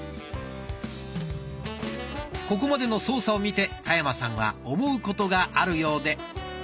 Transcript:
ここまでの操作を見て田山さんは思うことがあるようで。